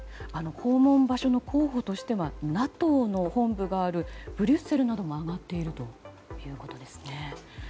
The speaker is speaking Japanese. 訪問場所の候補としてはＮＡＴＯの本部があるブリュッセルなどが挙がっているということです。